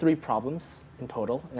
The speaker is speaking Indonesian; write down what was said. pertama perusahaan ai